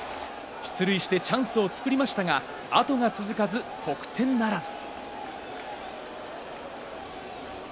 出塁してチャンスを作りましたが、後が続かず得点ならず。